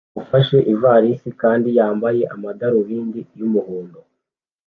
ufashe ivalisi kandi yambaye amadarubindi yumuhondo